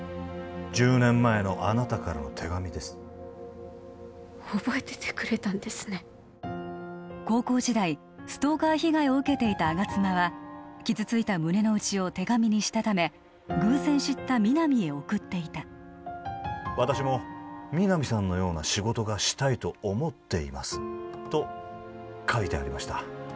１０年前のあなたからの手紙です覚えててくれたんですね高校時代ストーカー被害を受けていた吾妻は傷ついた胸の内を手紙にしたため偶然知った皆実へ送っていた私も皆実さんのような仕事がしたいと思っていますと書いてありました